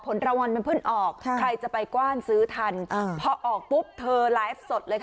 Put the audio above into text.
ผลรางวัลมันเพิ่งออกใครจะไปกว้านซื้อทันพอออกปุ๊บเธอไลฟ์สดเลยค่ะ